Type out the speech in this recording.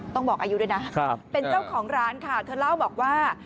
ต้องบอกอายุด้วยนะเป็นเจ้าของร้านค่ะเธอเล่าบอกว่า